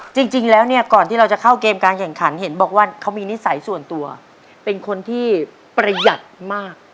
จริงแล้วเนี่ยก่อนที่เราจะเข้าเกมการแข่งขันเห็นบอกว่าเขามีนิสัยส่วนตัวเป็นคนที่ประหยัดมาก